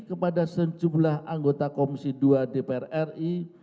kepada sejumlah anggota komisi dua dpr ri